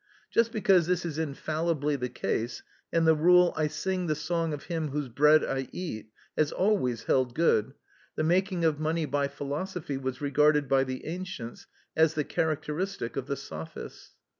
Just because this is infallibly the case, and the rule, "I sing the song of him whose bread I eat," has always held good, the making of money by philosophy was regarded by the ancients as the characteristic of the sophists.